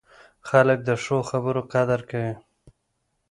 خلک د ښو خبرو قدر کوي